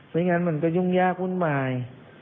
ไม่งั้นมันก็ยุ่งยากวุ่นวาย